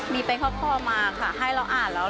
มีเป็นข้อมาค่ะให้เราอ่านแล้ว